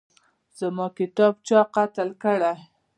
زما کتاب چا قتل کړی